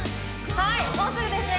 はいもうすぐですね